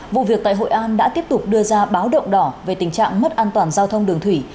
vụ việc tại hội an đã tiếp tục đưa ra báo động đỏ về tình trạng mất an toàn giao thông đường thủy